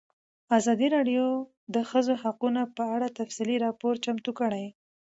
ازادي راډیو د د ښځو حقونه په اړه تفصیلي راپور چمتو کړی.